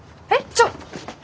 ちょっ！